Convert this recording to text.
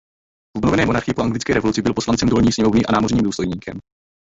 V obnovené monarchii po anglické revoluci byl poslancem dolní sněmovny a námořním důstojníkem.